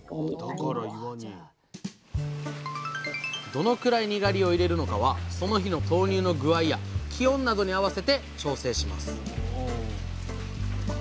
どのくらいにがりを入れるのかはその日の豆乳の具合や気温などに合わせて調整します